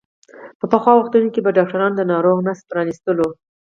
په پخوا وختونو کې به ډاکترانو د ناروغ نس پرانستلو.